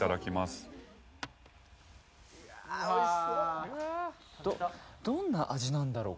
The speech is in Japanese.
・うわ・どんな味なんだろう